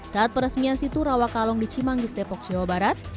saat peresmian situ rawa kalong di cimanggis depok jawa barat